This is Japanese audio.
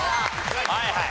はいはい。